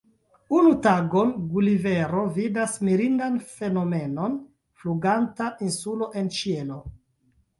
Unu tagon Gulivero vidas mirindan fenomenon: fluganta insulo en ĉielo.